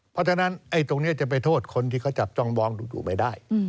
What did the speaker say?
เพราะฉะนั้นตรงนี้จะไปโทษคนที่เขาจับจ้องมองดูดไม่ได้